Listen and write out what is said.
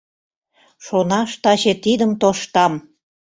Шонаш таче тидым тоштам.